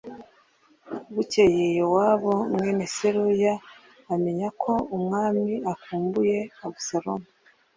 Bukeye Yowabu mwene Seruya amenya ko umwami akumbuye Abusalomu.